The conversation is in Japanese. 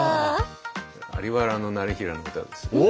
在原業平の歌ですね。